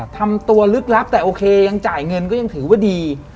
ทำตัวลึกลับแต่โอเคยังจ่ายเงินก็ยังถือว่าดี